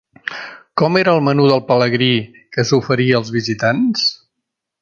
Com era el Menú del Pelegrí que s'oferí als visitants?